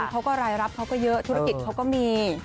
เขาก็รายรับเขาก็เยอะธุรกิจเขาก็มี